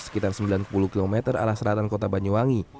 sekitar sembilan puluh km arah selatan kota banyuwangi